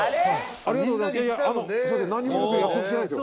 ありがとうございます。